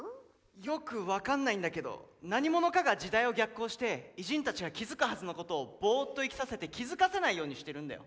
よく分かんないんだけど何者かが時代を逆行して偉人たちが気付くはずのことをボーっと生きさせて気付かせないようにしてるんだよ。